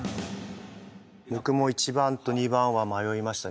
僕も１番と２番は迷いましたね。